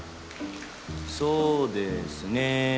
そうですね。